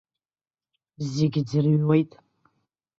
Зегьы ӡырҩуеит.